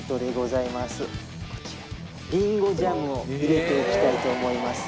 こちらりんごジャムを入れていきたいと思います。